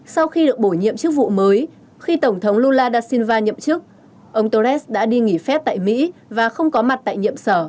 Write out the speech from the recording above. sau khi được bổ nhiệm chức vụ mới khi tổng thống lula da silva nhậm chức ông torres đã đi nghỉ phép tại mỹ và không có mặt tại nhiệm sở